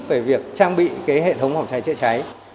về việc trang bị hệ thống phòng cháy chữa cháy